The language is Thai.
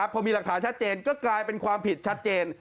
พอมีหลักฐานชัดเจนก็กลายเป็นความผิดชัดเจน